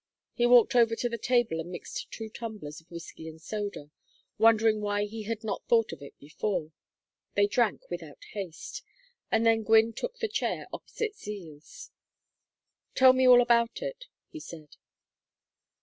He walked over to the table and mixed two tumblers of whiskey and soda, wondering why he had not thought of it before. They drank without haste, and then Gwynne took the chair opposite Zeal's. "Tell me all about it," he said.